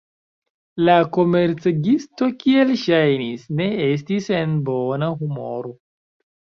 La komercegisto, kiel ŝajnis, ne estis en bona humoro.